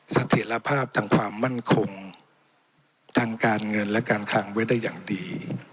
เสถียรภาพทางความมั่นคงทางการเงินและการคลังไว้ได้อย่างดี